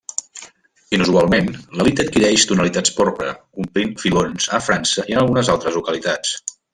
Inusualment, l'halita adquireix tonalitats porpra omplint filons a França i en algunes altres localitats.